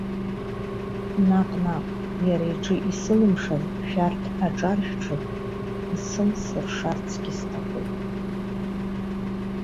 Наҟ-наҟ иара иҿы исылымшаз шәарҭ аҿар шәҿы исылсыршарцгьы сҭахуп.